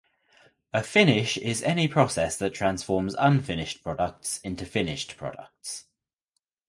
A finish is any process that transforms unfinished products into finished products.